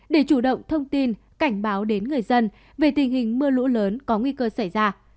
để chủ động thông tin cảnh báo đến người dân về tình hình mưa lũ lớn có nguy cơ xảy ra